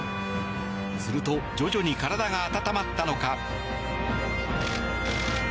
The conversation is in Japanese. すると徐々に体が温まったのか。